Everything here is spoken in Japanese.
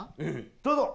どうぞ。